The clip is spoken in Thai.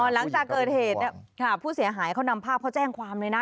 หลังจากเกิดเหตุผู้เสียหายเขานำภาพเขาแจ้งความเลยนะ